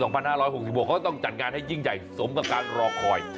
เขาต้องจัดงานให้ยิ่งใหญ่สมกับการรอคอย